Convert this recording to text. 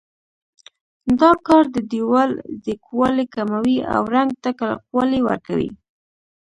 دا کار د دېوال ځیږوالی کموي او رنګ ته کلکوالی ورکوي.